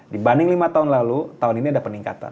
dibanding lima tahun lalu tahun ini ada peningkatan